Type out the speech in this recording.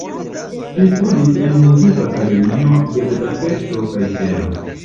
Ŝi studis en Muzikakademio de Budapeŝto kaj Vieno.